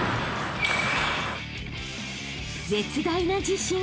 ［絶大な自信！］